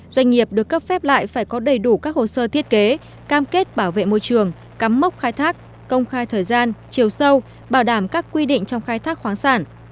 doanh nghiệp được cấp phép lại phải có đầy đủ các hồ sơ thiết kế cam kết bảo vệ môi trường cắm mốc khai thác công khai thời gian chiều sâu bảo đảm các quy định trong khai thác khoáng sản